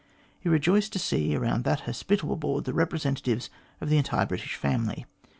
He rejoiced to see around that hospitable board the representatives of the entire British family.